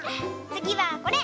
つぎはこれ！